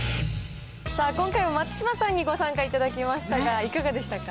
さあ、今回は松嶋さんにご参加いただきましたが、いかがでしたか。